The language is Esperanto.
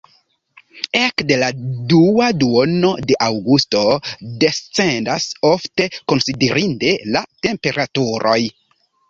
Ekde la dua duono de aŭgusto descendas ofte konsiderinde la temperaturoj.